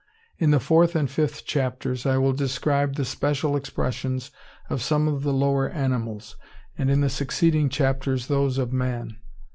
In the fourth and fifth chapters, I will describe the special expressions of some of the lower animals; and in the succeeding chapters those of man.